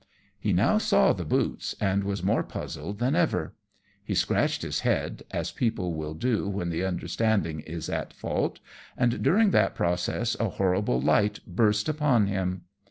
He now saw the boots, and was more puzzled than ever. He scratched his head, as people will do when the understanding is at fault, and during that process a horrible light burst upon him.